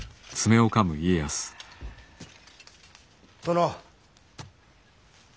殿。